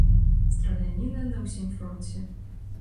Страляніна на ўсім фронце.